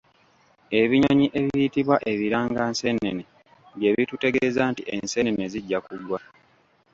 Ebinyonyi ebiyitibwa “Ebiranganseenene” bye bitutegeeza nti enseenene zijja kugwa.